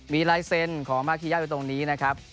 มีลายเซ็นต์ของมาคียะอยู่ตรงนี้นะครับ